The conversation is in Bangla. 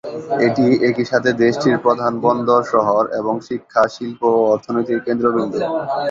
এটি একই সাথে দেশটির প্রধান বন্দর শহর এবং শিক্ষা, শিল্প ও অর্থনীতির কেন্দ্রবিন্দু।